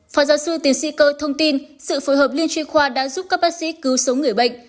phó giáo sư tiến sĩ cơ thông tin sự phối hợp liên tri khoa đã giúp các bác sĩ cứu sống người bệnh